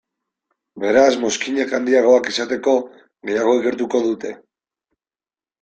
Beraz mozkinak handiagoak izateko, gehiago ikertuko dute.